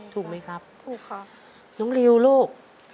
ถูกไหมครับถูกค่ะน้องริวลูก